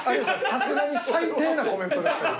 さすがに最低なコメントでしたよ。